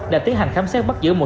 đã tiến hành khám xét bắt giữ